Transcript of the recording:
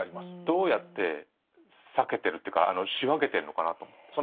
どうやって避けてるっていうか仕分けてるのかなと思って。